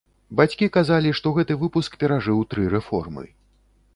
Бацькі казалі, што гэты выпуск перажыў тры рэформы.